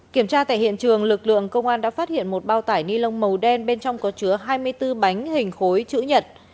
kiểm tra tại hiện trường lực lượng công an đã phát hiện một bao tải ni lông màu đen bên trong có chứa hai mươi bốn bánh hình khối chữ nhật